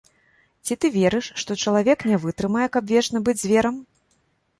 Ці ты верыш, што чалавек не вытрымае, каб вечна быць зверам?